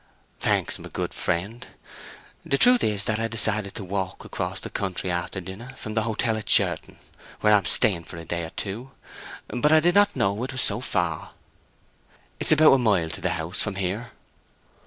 "Thanks, my good friend. The truth is that I decided to walk across the country after dinner from the hotel at Sherton, where I am staying for a day or two. But I did not know it was so far." "It is about a mile to the house from here."